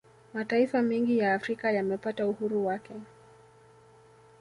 Mataifa mengi ya Afrika yamepata uhuru wake